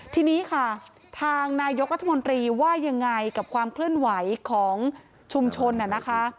ทีนี้ค่ะทางนายกรัฐมนตรีว่ายังไงกับความเคลื่อนไหวของชุมชนน่ะนะคะ